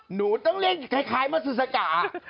หนูต้องเรียกคล้ายมัสซุสะก็